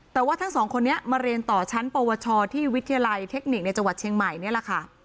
แต่ว่าทั้งสองคนนี้มาเรียนต่อชั้นปวชที่วิทยาลัยเทคนิคในจังหวัดเชียงใหม่นี่แหละค่ะ